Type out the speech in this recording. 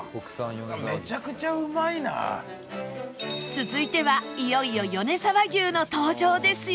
続いてはいよいよ米沢牛の登場ですよ